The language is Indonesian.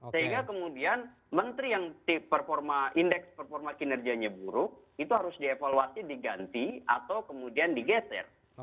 sehingga kemudian menteri yang indeks performa kinerjanya buruk itu harus dievaluasi diganti atau kemudian digeser